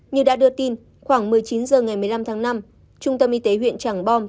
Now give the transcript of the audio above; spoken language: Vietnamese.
như đã đưa tin khoảng một mươi chín h ngày một mươi năm tháng năm trung tâm y tế huyện tràng bom